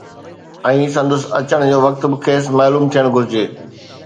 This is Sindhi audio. ۽ سندس اچڻ جو وقت به کيس معلوم ٿيڻ گهرجي